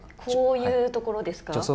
こういうところですか。